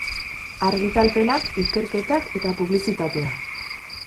Argitalpenak, ikerketak eta publizitatea.